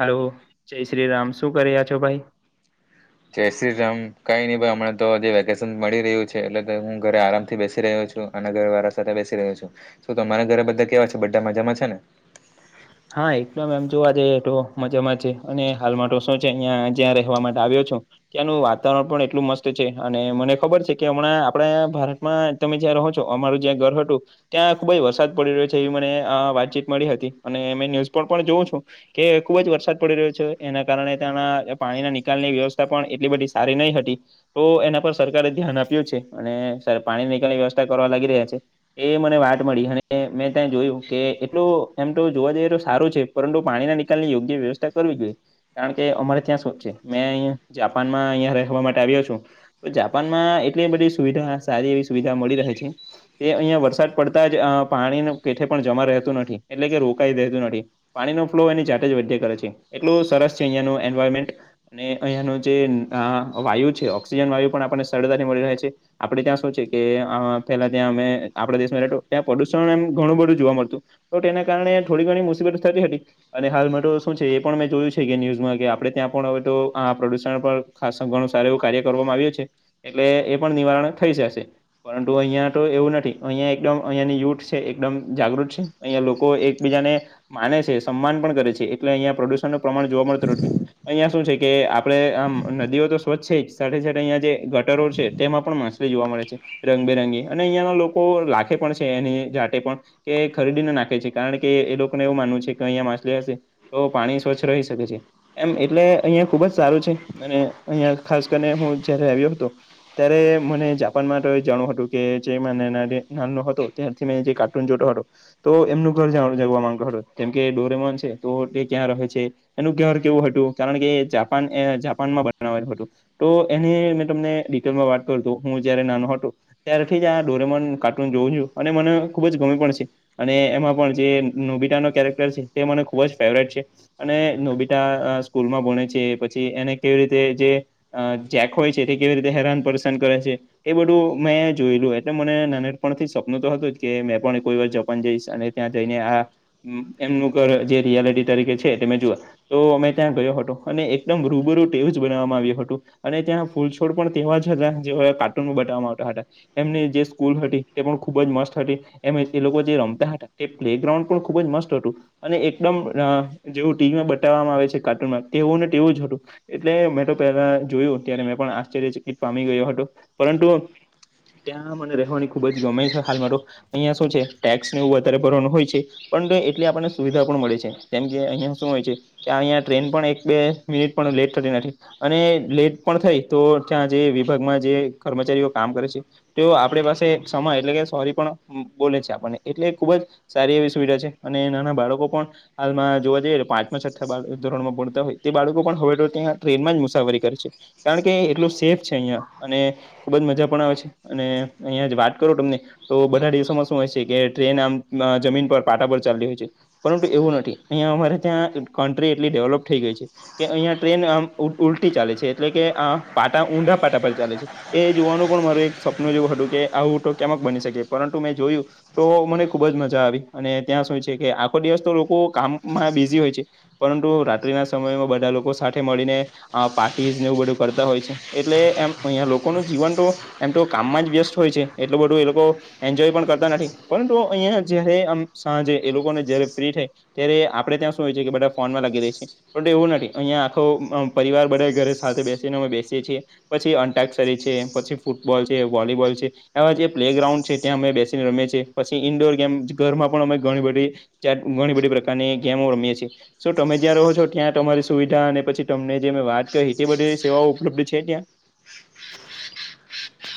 Hello. જય શ્રી રામ. શું કરી રયા છો ભાઈ? જય શ્રી રામ. કઈ ની ભાઈ હમણા તો જે વેકેશન મળી રહ્યું છે એટલે તો હું ઘરે આરામથી બેસી રહ્યો છું. અને ઘરવાળા સાથે બેસી રહ્યો છું. શું તમારા ઘરે બધા કેવા છે બધા મજામાં છે ને? હા એકદમ એમ જોવા જઈએ તો મજામાં છે. અને હાલમાં તો શું છે ઈયા જ્યાં રહેવા માટે આવ્યો છું. ત્યાંનું વાતાવરણ પણ એટલું મસ્ત છે અને મને ખબર છે. કે હમણાં આપણા ભારતમાં- તમે જ્યાં રહો છો, અમારું જ્યાં ઘર હતું, ત્યાં ખુબ જ વરસાદ પડી રહ્યો છે એવી મને અ વાતચીત મળી હતી. અને મેં ન્યૂઝ પણ પણ જોઉં છું. કે ખુબ જ વરસાદ પડી રહ્યો છે એના કારણે ત્યાંના પાણીના નિકાલની વ્યવસ્થા પણ એટલી બધી સારી નહી હતી. તો એના પર સરકારે ધ્યાન આપ્યું છે અને સર પાણી નીકાલની વ્યવસ્થા કરવા લાગી રહ્યા છે. એ મને વાટ મળી અને મેં ત્યાં જોયું કે એટલું એમ- તો જોવા જઈએ તો સારું છે પરંતુ પાણીના નિકાલની યોગ્ય વ્યવસ્થા કરવી જોઈએ. કારણ કે અમારે ત્યાં શો છે મેં અહીંયા જાપાનમાં અહિયાં રહેવા માટે આવ્યો છું. તો જાપાનમાં એટલી બધી સુવિધા સારી એવી સુવિધા મળી રહે છે. તે અહીંયા વરસાદ પડતા જ અ પાણીનું પેઠે પણ જમા રહેતું નથી એટલે કે રોકાઈ જતું નથી. પાણીનો ફ્લો એની જાતે જ વધ્યા કરે છે એટલું સરસ છે અહીંયાનું એન્વાયરમેન્ટ અને અહિયાનું જે અ વાયુ છે ઓક્સિજન વાયુ પણ આપણને સરળતાથી મળી રહે છે. આપડે ત્યાં શું છે કે અ પેલા ત્યાં અમે આપણા દેશમાં નતું ત્યાં પ્રદુષણ એમ ઘણું બધું જોવા મળતું. તો તેના કારણે થોડી ઘણી મુસીબતો થતી હતી. અને હાલમાં તો શું છે એ પણ મેં જોયું છે કે ન્યૂઝમાં કે આપણે ત્યાં પણ હવે તો આ પ્રદૂષણ પર ખાસો ઘણું સારું એવું કાર્ય કરવામાં આવ્યું છે. એટલે એ પણ નિવારણ થઈ જાશે. પરંતુ અહિયાં તો એવું નથી અહિયાં એકદમ અહીંયાની યુથ છે એકદમ જાગૃત છે. અહીંયા લોકો એકબીજાને માને છે, સમ્માન પણ કરે છે એટલે અહિયાં પ્રદૂષણનું પ્રમાણ જોવા મળતું નથી. અહિયાં શું છે કે આપડે આમ નદીઓ તો સ્વચ્છ છે જ સાથે સાથે અહીંયા જે ગટરો છે. તેમાં પણ માછલી જોવા મળે છે. રંગબેરંગી અને અહિયાંના લોકો લાખે પણ છે એની જાટે પણ કે ખરીદીને નાખે છે કારણ કે એ લોકોને એવું માનવું છે કે અહીયાં માછલી હશે તો પાણી સ્વચ્છ રહી શકે છે. એમ એટલે અહીંયા ખુબ જ સારું છે અને અહિયાં ખાસ કરીને હું જયારે આવ્યો હતો. ત્યારે મને જાપાન માટે જાણું હતું કે જે મેં નાનો હતો ત્યારથી મેં જે કાર્ટૂન જોતો હતો. તો એમનું ઘર જવા જાગવા માંગતો હતો કેમ કે એ ડોરેમન છે તો તે ક્યાં રહે છે એનું ઘર કેવું હતું કારણ કે એ જાપાન એ જાપાનમાં બનાવેલ હતું. તો એની મેં તમને ડિટેલમાં વાત કરું તો હું જયારે નાનો હતો ત્યારથી જ આ ડોરેમન કાર્ટૂન જોઉં છું અને મને ખુબ જ ગમે પણ છે. અને એમાં પણ જે નોબિતા નો કેરેક્ટર છે તે મને ખુબ જ ફેવરેટ છે અને નોબિટા સ્કૂલમાં ભોણે છે પછી એને કેવી રીતે જે અ જેક હોય છે તે કેવી રીતે હેરાન પરેશાન કરે છે એ બધું મેં જોયલું એટલે મને નાનપણ થી સપનું તો હતું જ કે મેં પણ કોઈ વાર જઈશ અને ત્યાં જઈને આ એમનું જે રિયાલિટી તરીકે છે એ મેં જોુ તો મેં ત્યાં ગયો હતો અને એકદમ રૂબરૂ તેવું જ બનાવવામાં આવ્યું હતું. અને ત્યાં ફૂલછોડ પણ તેવા જ હતા જેવા એ કાર્ટૂન બતાવવામાં આવતા હતા. એમની જે સ્કૂલ હતી તે પણ ખુબ જ મસ્ત હતી. એમ એ લોકો તે રમતા હતા તે પ્લે ગ્રાઉન્ડ પણ ખુબ જ મસ્ત હતું. અને એકદમ અ જેવું ટીવીમાં બતાવવામાં આવે છે કાર્ટૂનમાં તેવું ને તેવું જ હતું. એટલે મેં તો પહેલા જોયું ત્યારે મેં પણ આશ્ચર્યચકિત પામી ગયો હતો. પરંતુ ત્યાં મને રહેવાની ખુબ જ ગમે છે હાલમાં તો અહિયાં શું છે ટેક્સ ને એવું વધારે ભરવાનું હોય છે પરંતુ એટલે આપણને સુવિધા પણ મળે છે કેમ કે અહિયાં શું હોય છે. કે આહીંયા ટ્રેન પણ એક બે મિનિટ પણ લેટ થતી નથી. અને લેટ પણ થાય તો ત્યાં જે વિભાગમાં જે કર્મચારીઓ કામ કરે છે. તો આપણી પાસે એક સમય એટલે કે સોરી પણ બોલે છે આપણને. એટલે ખુબ જ સારી એવી સુવિધા છે. અને નાના બાળકો પણ હાલમાં જોવા જઈએ તો પાંચમાં, છઠ્ઠા બાર ધોરણમાં ભણતા હોય તે બાળકો પણ હવે તો ત્યાં ટ્રેનમાં જ મુસાફરી કરે છે. કારણ કે એટલું સેફ છે અહિયાં અને ખુબ જ મજા પણ આવે છે અને અહિયાં જ વાત કરો તમને તો બધા દિવસમાં શું હોય છે કે ટ્રેન આમ જમીન પર પાટા પર ચાલલી હોય છે પરંતુ એવું નથી અહીંયા અમારે ત્યાં કન્ટ્રી એટલી ડેવલપ થઈ ગઈ છે કે અહિયાં ટ્રેનમ ઉલટી ચાલે છે એટલે કે પાટા ઊંડા પાટા પર ચાલે છે એ જોવાનું પણ માર એક સપનું જેવું હતું કે આવું તો કેમક બની શકે પરંતુ મેં જોયું તો મને ખુબ જ મજા આવી અને ત્યાં શું છે કે આખો દિવસ તો લોકો કામમાં બિઝી હોય છે પરંતુ રાત્રિના સમયમાં બધા લોકો સાથે મળીને પાર્ટીઝ ને એવું બધું કરતા હોય છે એટલે એમ અહિયાંયા લોકોનું જીવન તો એમ તો કામમાં જ વ્યસ્ટ હોય છે એટલું બધું એ લોકો એન્જોય પણ કરતા નથી પરુ અહિયાં જયારે આમ સાંજે એ લોકોને જયારે ફ્રી થાય ત્યારે આપણે ત્યાં શું હોય છેએ કે બધા ફોનમાં લાગી રહી છે પણ તો એવું નથી અહિયાયા આખો પરિવાર બધા ઘરે સાથે બેસીને અમે બેસીએ છીએ પછી અંન્ટાક્ષરી છે પછી ફૂટબોલ છે વોલીબોલ છે આવા જે પ્લે ગ્રાઉન્ડ છે ત્યાં અમે બેસીને રમીએ છીએ પછી ઈન્ડોર ગેમ ઘરમાં પણ અમે ઘણી બધી ચ ઘણી બધી પ્રકારની ગેમો રમીએ છીએ સો તમે જ્યાં રહો છો ત્યાં તમારી સુવિધા અને પછી તમને જે મે વાત કરી એ બધી સેવાઓ ઉપલબ્ધ છે ત્યાં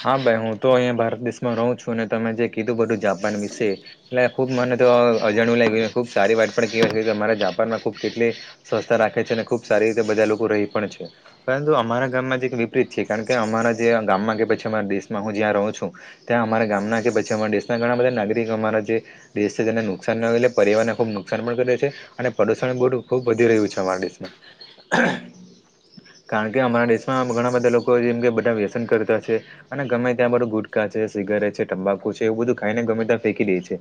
હા ભાઈ હું તો અહીંયા ભારત દેશમાં રહું છું ને તમે જે કીધું બધું જાપાન વિશે એટલે ખુબ મને તો અજાણવું લાગ્યું ખુબ સારી વાત પણ કેવાય છે કે તમારે ખબ કેટલી સ્વસ્થતા રાખે છે અને ખુબ સારી રીતે બધા લોકો રહી પણ છે પરંતુ અમારા ગામમાં જે એક વિપરીત છે કારણ કે અમારા જે ગામમાં કે પછી અમારા દેશમાં હું જ્યાં રહું છું ત્યાં અમારા ગામના કે પછી અમારા દેશના ઘણા બધા નાગરિકો અમારા જે જે તેને નુકસાન નલે પ્રિયાવરણ ને ખુબ નુકસાન પણ કરે છે અને પ્રદુષણ બો ખૂબ વધી રહ્યું છે અમારા દેશમાં કારણ કે અમારા દેશમાં ઘણા બધા લોકો જેમ કે બધા વ્યસન કરતા છે અને ગમે ત્યાં બધું ગુટકા છે સિગરેટ છે તંબાકુ છે એવું બધું ખાઈને ગમે ત્યાં ફેંકી દે છે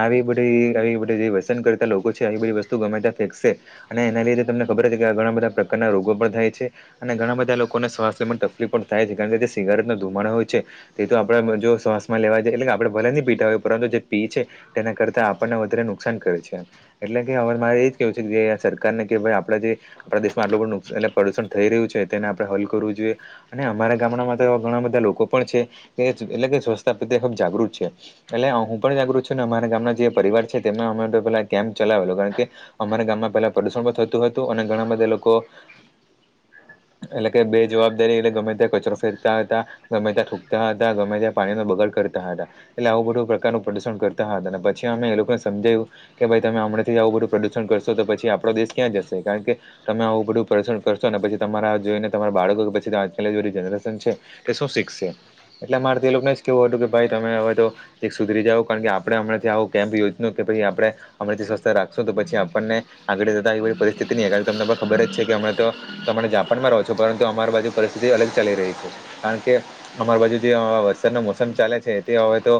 આવી બધી બધી વસન કરતા લોકો છે આવી બધી વસ્તુ ગમેતા ફેંકશે અને એના લીધે તમને ખબર કે આ ઘણા બધા પ્રકારના રોગો પણ થાય છે અને ઘણા બધા લોકોને શ્વાસ લેવાને તકલીફ પણ થાય છે કારણ કે જે સિગારેટનો ધુમાડો હોય છે તે તો આપડે જો શ્વાસ માં લેવા જાયએ એટલે કે આપણે ભલે નહી પીટા હોએ પરંતુ જે પી છે તેના કરતા આપણને વધારે નુકસાન કરે છે એટલે કે હવે મારે એજ કેવું છે કે સરકારને કે ભાઈ આપણે જે આપણા દેશમાં આટલું પણ નુકસન એટલે પ્રદુષણ થઈ રહ્યું છે તેને આપડણે હલ કરવું જોઈએ અને અમારા ગામડામાં તો એવા ઘણા બધા બધા લોકો પણ છે એ એજ એટલે કે સ્વસ્થા પ્રત્યે આમ જાગૃત છે એટલે હું પણ જાગૃત છું ને અમારા ગામના જે પરિવાર છે તેમ અમે તો પેલા કેમ ચલાવે એ લોકા કે અમારા ગામમાં પેલા પ્રદુષણ પણ થતું હતું અને ઘણા બધા લોકો એટલે કે બે જવાબદારી એટલે ગમે ત્યા કચરો ફેરતા હતા ગમે ત્યાં થુંકતા હતા ગમે ત્યાં પાણીનો બગાડ કરતા હતા એટલે આવું બધું પ્રકારનું પ્રૂષણ કરતા હતા અને પછી અમે એ લોકોને સમજાયું કે ભાઈ તમે હમણાંથી જ આવું બધું પ્રદૂષણ કરશો તો પછી આપડો દેશ ક્યાં જશે કારણ કે તમે આવું બધું પ્રસણ કરશો અને પછી તમારા જોઈને તમારા બાળકો પછી આજકાલ જનરેશન છે કે શું શીખશે એટલે મારે તે એ લોકોને જ કેહેવું હતું કે ભાઈ તમે હવે તો એક સુધરી જવું કારણ કે આપડે હમણાં થી આવું કેમ્પ યોજ કે આપડણે હમણાથી સ્વસ્થ રાખશો તો પછી આપણને આગળ જતા એવી પરિસ્થિતિ નહી કારણ તમને પણ ખબર જ છે કે હમણા તો તમે જાપાન માં રહો છો પરંતુ અમારી બાજુ પરિસ્થિતિ અલગ ચાલી રહી છે કારણ કે અમારી બાજુ જે વરસાદ ન મોસમ ચાલે છે તે હવે તો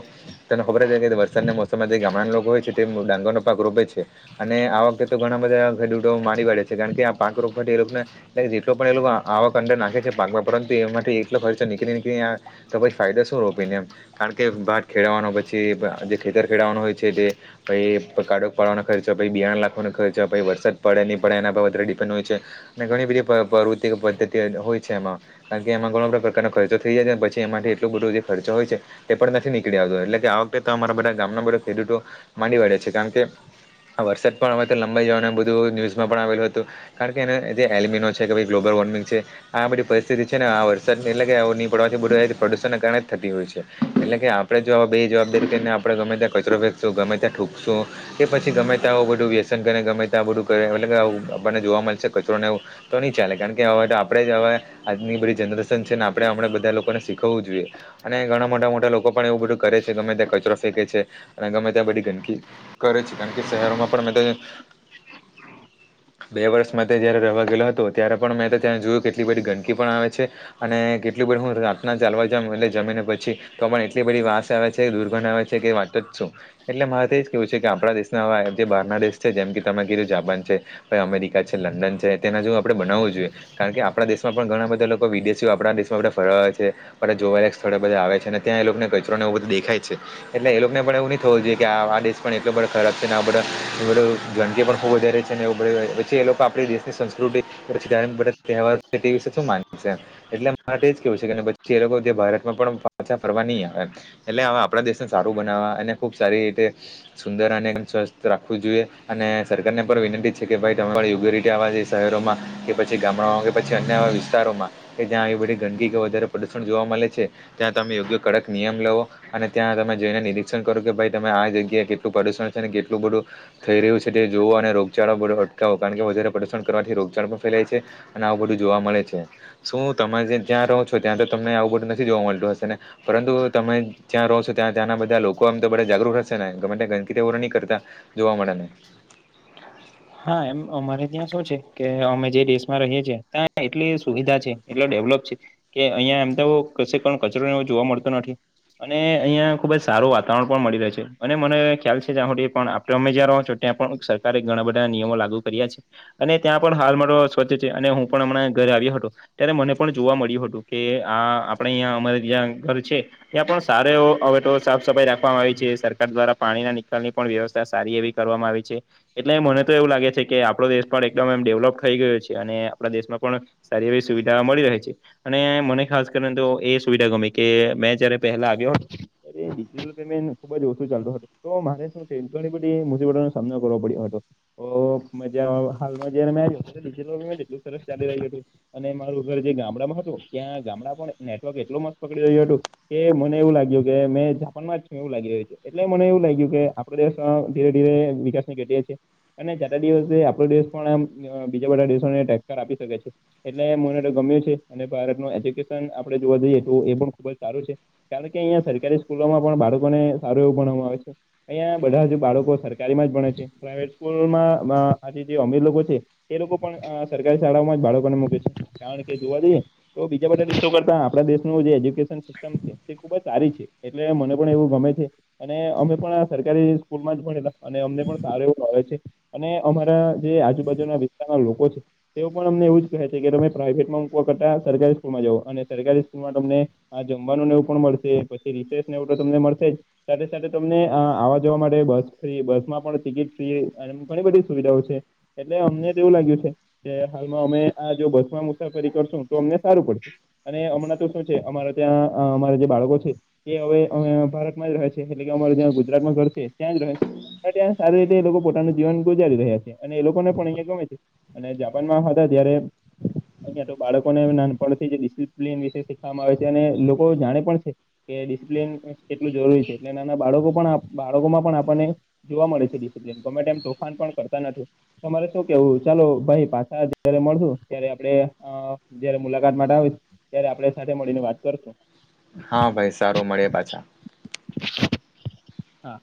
તને ખબર જ છે કે વરસાદના મોસમમાં જે ગામડાના લોકો હોય છે તે ડાંગરનો પાક રોપે છે અને આ વખતે તો ઘણા બધા ખેડૂતો મારી વાડે છે કારણ કે આ પાક રોપવા થી એ લોકને જેટલો પણ એ લોકો આવાક અંદર નાખે છે પાકમાં પરંતુ એમાં માટે એટલો ખર્ચો નીકળી નીકળી તો પછી ફાયદો શું રોપીને એમ કારણ કે ભાત ખેડવાનો પછી જે ખેતર ખેડવાનો હોય છે તે પછ કાડો પાડવાનો ખર્ચો પ બ બેારણ લખવાનો ખર્ચો પ વરસાદ પડે નની પડે એના પર વધારે ડિપેન્ડ હોય છે અને ઘણી બધી પ પ્રવૃત્તિ પદ્ધતિ હોય છે એમાં કારણ કે એમાં ઘણો બધ પ્રકારનો ખર્ચો થઈ જાય ને પછી એમાં એટલો બધો જે ખર્ચો હોય છે તે પણ નથી નીકળી આવતો એટલે કે આ વખતે અરા બધા ગામના બધા ખેડૂતો માંડી વાડ્યા છે કારણ કે આ વરસાદ પણ અવે તો લંબાઈ જવાનું એમ બધું ન્યુઝમાં પણ આવેલું હતું. કારણ કે એના જે એલિમીનો છે કે પછી ગ્લોબલ વોર્મિંગ છે આ બધી પરિસ્થિતિ છે ને આ વર સર [unintelligible] કેયને આવું ની પડવા જોએ બધું આ પ્રદૂષણના કારણે જ થતી હોય છે. એટલે કે આપડે જો આ બે જવાબદારી કરીને આપણે ગમે ત્યાં કચરો ફેંકશું, ગમે ત્યાં થૂંકશુ. કે પછી ગમે તા આવું બધું વ્યસન કરેને ગમે ત્યાં આ બધું કરે એટલે કે આવું આપણને જોવા મલશે કચરોને આવું. તો ની ચાલે કારણ કે હવે તો આપણેે જ હવે આજની બધી જનરેશ સન છે ને આપણે હમણે બધા લોકો ને શીખવવું જોઈએ અને ઘણા મોટા મોટા લોકો પણ એવું બધું કરે છે ગમે ત્યાં કચરો ફેંકે છે અને ગમે ત્યાં બધી ગંદકી કરે છે કારણ કે શહેરો માં પણ મેં ત [inaudible] બે વર્ષ માટે જ્યારે રેવા ગેલો હતો ત્યારે પણ મેં ત્યાં જોયું કેટલી બધી ગંદકી પણ આવે છે અને કેટલી બર હું રાતના ચાલવા જ એટલે જમીને પછી તો પણ એટલી બધી વાસ આવે છે દુર્ગણ આવે છે કે વાત જ સુ એટલે મારે તો એજ કેવું છે કે આપણા દેશના જે બહારના દેશ છે જેમ કે તમે કીધું જાપાન છે ભઈ અમેરિકા છે, લંડન છે તેના જો આપણે બનાવવું જોઈએ કારણ કે આપણા દેશમાં પણ ઘણાં બધાં લોકો વિદેશ શીઓ આપણા દેશમાં બધા ફરવા આવે છે અને જોવાલાયક સ્થળે બધાં આવે છે અને ત્યાં એ લોકને કચરોને એવું બધું દેખાય છે. એટલે એ લોકોને પણ એવું ની થવું જોઈએ કે આ દેશ પણ એટલો ખરાબ છે ને આ બધા બધું ગંદકી પણ ખૂબ વધારે છે ને એવું કર્યું હોય પછી એ લોકો આપણી દેશની સંસ્કૃતિ પછી કાયમ બધા તહેવાર છે તે વિશે શું માનશે? એટલે મારે તો એ જ કેવું છે કે પછી જે લોકો જે ભારતમાં પણ પાછાં ફરવા નહીં આવે એમ. એટલે હવે આપણા દેશને સારું બનાવવા અને ખૂબ સારી રીતે સુંદર અને સ્વસ્થ રાખવું જોઈએ અને સરકારને પણ વિનંતી છે કે ભઈ તમે આવા યોગ્ય રીતે આવા જે શહેરોમાં કે પછી ગામડાઓમાં કે પછી અન્ય આવા વિસ્તારોમાં કે જ્યાં આવી બધી ગંદકી કે વધારે પ્રદૂષણ જોવા મલે છે ત્યાં તમે યોગ્ય કડક નિયમ લેવો. અને ત્યાં તમે જઈને નિરીક્ષણ કરો કે ભઈ તમે આ જગ્યાએ કેટલું પ્રદુષણ છે અને કેટલું બધું થઈ રહ્યું છે તે જોવો અને રોગચાળો બધો અટકાવો કારણ કે વધારે પ્રદુષણ કરવાથી રોગચાળો પણ ફેલાય છે. અને આવું બધું જોવા મળે છે શું તમારે જ્યાં રહો છો ત્યાં તો તમને આવું બધું નથી જોવા મલતું હશે ને? પરંતુ તમે જ્યાં રહો છો ત્યાં ત્યાંના બધાં લોકો આમ તો બધા જાગૃત હશે ને, ગમે ગંદકીને એવું તો ની કરતાં. જોવા મળે. હા એમ અમારે ત્યાં શું છે કે અમે જે દેશમાં રહીએ છે ત્યાં એટલી સુવિધા છે એટલો ડેવલપ છે. કે અહિયાં એમ તો કશે પણ કચરો એવું જોવા મળતો નથી. અને અહિયાં ખૂબ જ સારું વાતાવરણ પણ મળી રહે છે અને મને ખ્યાલ છે જ્યાં હુદી પણ આ તમે જ્યાં રહો છો ત્યાં પણ સરકારે ઘણાં બધાં નિયમો લાગુ કર્યા છે. અને ત્યાં પણ હાલમાં તો સ્વચ્છ છે અને હું પણ હમણાં ઘરે આવ્યો હતો. ત્યારે મને પણ જોવા મળ્યું હતું કે આ આપણે અહીંયા અમારે જ્યાં ઘર છે ત્યાં પણ સારો એવો અવે તો સાફ સફાઈ રાખવામાં આવી છે સરકાર દ્વારા પાણીના નિકાલની પણ વ્યવસ્થા સારી એવી કરવામાં આવી છે એટલે મને તો એવું લાગે છે કે આપણો દેશ પણ એકદમ એમ ડેવલપ થઈ ગયો છે અને આપણા દેશમાં પણ સારી એવી સુવિધા મળી રહે છે. અને મને ખાસ કરીને તો એ સુવિધા ગમી કે મેં જયારે પહેલા આવ્યો હ અરે ડિજિટલ પેમેન્ટ ખૂબ જ ઓછું ચાલતું હતું. તો મારે શું છે ઘણી બધી મુસીબતોનો સામનો કરવો પડ્યો હતો. ઓ મજા હાલમાં જયારે મેં [unintelligible] મે એટલું સરસ ચાલી રહ્યું હતું. અને મારું ઘર જે ગામડામાં હતું ત્યાં ગામડા પણ નેટવર્ક એટલો મસ્ત પકડી રહ્યું હતું. કે મને એવું લાગ્યું કે મેં જાપાનમાં જ છું એવું લાગી રહ્યું હતું. એટલે મને એવું લાગ્યું કે આપણો દેશ પણ ધીરે ધીરે વિકાસની ગતિએ છે. અને જાતા દિવસે આપણો દેશ પણ આમ અ બીજા બધા દેશોને ટક્કર આપી શકે છે. એટલે મને તો ગમ્યું છે અને ભારતનું એજ્યુકેશન આપણે જોવા જઈએ તો એ પણ ખુબ જ સારું છે. કારણ કે અહિયાં સરકારી સ્કૂલોમાં પણ બાળકોને સારું એવું ભણાવામાં આવે છે. અહિયાં બધા જે બાળકો સરકારીમાં જ ભણે છે, પ્રાઈવેટ સ્કૂલમાં મા આ જે અમીર લોકો છે. એ લોકો પણ સરકારી શાળાઓમાં જ બાળકોને મૂકે છે કારણ કે જોવા જઈએ તો બીજા બધા દેશો કરતાં આપણા દેશનું જે એજ્યુકેશન સિસ્ટમ તે ખૂબ જ સારી છે એટલે મને પણ એવું ગમે છે. અને અમે પણ આ સરકારી સ્કૂલમાં જ ભણેલા અને અમને પણ સારો એવો મળે છે અને અમારા જે આજુબાજુના વિસ્તારના લોકો છે. તેઓ પણ અમને એવું જ કહે છે કે તમે પ્રાઈવેટમાં મૂકવા કરતા સરકારી સ્કૂલમાં જઓ. અને સરકારી સ્કૂલમાં તમને હા જમવાનું ને એવું પણ મળશે પછી રિસેસને એવું તો તમને મળશે જ. સાથે સાથે તમને આવવા જવા માટે બસ ફ્રી બસમાં પણ ટિકિટ ફ્રી એટલે ઘણી બધી સુવિધાઓ છે એટલે અમને તો એવું લાગ્યું છે કે હાલમાં અમે આ જો બસમાં મુસાફરી કરશું તો અમને સારું પડશે. અને હમણાં તો શું છે અમારા ત્યાં અ અમારા જે બાળકો છે. તે હવે હવે ભારતમાં જ રહે છે. એટલે કે અમારે ત્યાં ગુજરાતમાં ઘર છે ત્યાં જ રહે છે. હવે ત્યાં સારું એક એ લોકો પોતાનું જીવન ગુજારી રહ્યા છે. અને એ લોકોને પણ અહિયાં ગમે છે. અને જાપાનમાં હતા ત્યારે અહીંયા તો બાળકોને નાનપણથી જ ડિસિપ્લીન વિશે શીખવામાં આવે છે. અને લોકો જાણે પણ છે. કે ડિસપ્લિન કેટલું જરૂરી છે. એટલે નાના બાળકો પણ આપ બાળકોમાં પણ આપણને જોવા મળે છે. ડિસિપ્લિન ગમે તેમ તોફાન પણ કરતા નથી. તમારે શું કેવું ચાલો ભાઈ પાછા જ્યારે મળશું ત્યારે આપડે અ જયારે મુલાકાત માટે આવીશ. ત્યારે આપડે સાથે મળીને વાત કરશું. હા ભાઈ સારું મળીએ પાછા. હા.